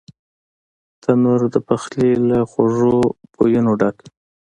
تنور د پخلي له خوږو بویونو ډک وي